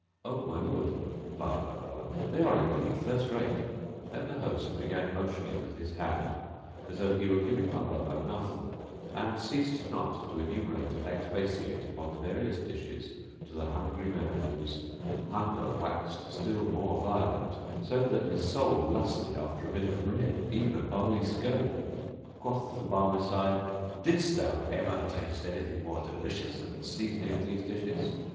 "O my lord," replied my brother, "they are indeed first rate." Then the host began motioning with his hand as though he were giving my brother a mouthful; and ceased not to enumerate and expatiate upon the various dishes to the hungry man whose hunger waxt still more violent, so that his soul lusted after a bit of bread, even a barley scone.[FN#690] Quoth the Barmecide, "Didst thou ever taste anything more delicious than the seasoning of these dishes?"